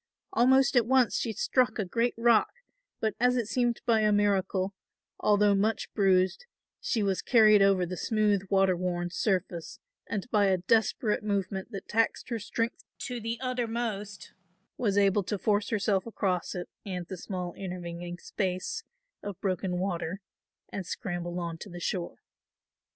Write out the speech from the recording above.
Almost at once she struck a great rock, but, as it seemed by a miracle, although much bruised, she was carried over the smooth water worn surface and by a desperate movement that taxed her strength to the uttermost, was able to force herself across it and the small intervening space of broken water and scramble on to the shore.